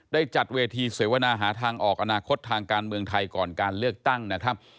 จัดเวทีเสวนาหาทางออกอนาคตทางการเมืองไทยก่อนการเลือกตั้งนะครับ